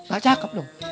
gak cakep dong